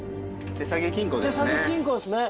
手提げ金庫ですね。